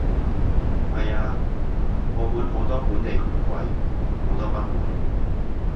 係啊，澳門好多本地窮鬼，好多不滿